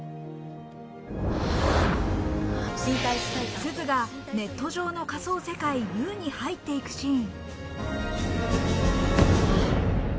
すずがネット上の仮想世界Ｕに入っていくシーン。